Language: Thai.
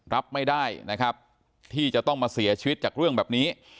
รับไม่ได้นะครับที่จะต้องมาเสียชีวิตจากเรื่องแบบนี้